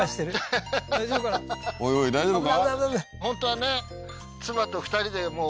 おいおい大丈夫か？